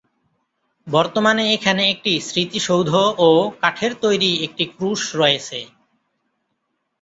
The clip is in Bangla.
বর্তমানে এখানে একটি স্মৃতিসৌধ ও কাঠের তৈরি একটি ক্রুশ রয়েছে।